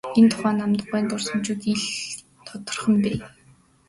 Энэ тухай Намдаг гуайн дурсамжид их тодорхой бий.